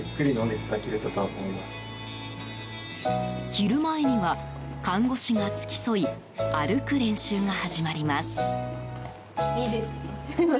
昼前には看護師が付き添い歩く練習が始まります。